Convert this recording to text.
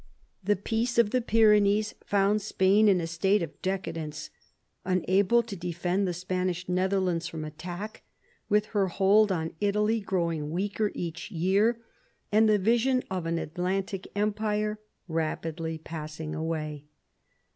The Peace of the Pyrenees found Spain in a state of decadence, unable to defend the Spanish Netherlands from attack, with her hold on Italy growing weaker each year, and the vision of an Atlantic empire rapidly passing away.